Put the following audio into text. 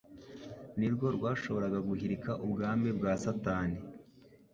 ni rwo rwashoboraga guhirika ubwami bwa Satani.